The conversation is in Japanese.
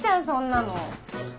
そんなの。